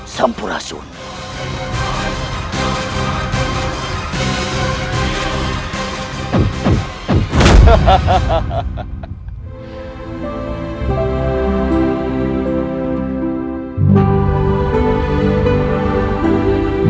kepala kujang kempar